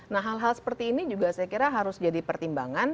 nah hal hal seperti ini juga saya kira harus jadi pertimbangan